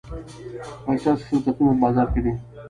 د چرسو شرکتونه په بازار کې دي.